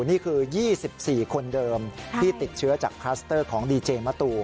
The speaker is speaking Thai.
นี่คือ๒๔คนเดิมที่ติดเชื้อจากคลัสเตอร์ของดีเจมะตู